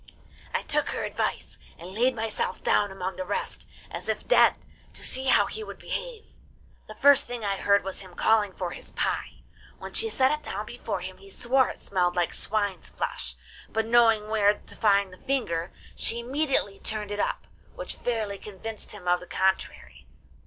'I took her advice, and laid myself down among the rest, as if dead, to see how he would behave. The first thing I heard was him calling for his pie. When she set it down before him he swore it smelled like swine's flesh, but knowing where to find the finger, she immediately turned it up, which fairly convinced him of the contrary.